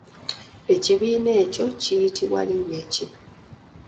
Ekibiina ekyo kiyitibwa linnya ki?